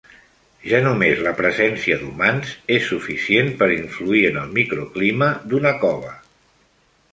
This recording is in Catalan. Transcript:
Ja només la presència d'humans és suficient per influir en el microclima d'una cova.